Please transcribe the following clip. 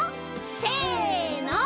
せの。